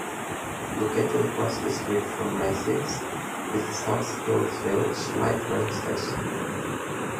Located across the street from Macy's is the South Hills Village light rail station.